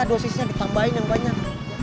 dosisnya ditambahin yang banyak